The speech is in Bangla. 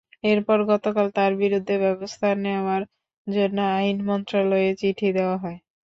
এরপর গতকাল তাঁর বিরুদ্ধে ব্যবস্থা নেওয়ার জন্য আইন মন্ত্রণালয়ে চিঠি দেওয়া হয়।